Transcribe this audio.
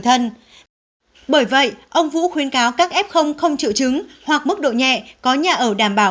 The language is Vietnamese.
thân bởi vậy ông vũ khuyên cáo các f không triệu chứng hoặc mức độ nhẹ có nhà ở đảm bảo